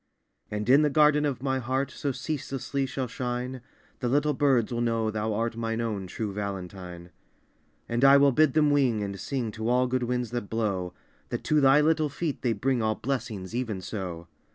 And in the garden of my heart So ceaselessly shall shine, The little birds will know thou art Mine own true Valentine. And I will bid them wing and sing To all good winds that blow, That to thy little feet they bring All blessings, even so.